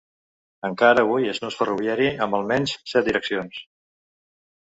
Encara avui és nus ferroviari amb almenys set direccions.